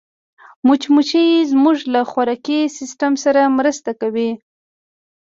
مچمچۍ زموږ له خوراکي سیسټم سره مرسته کوي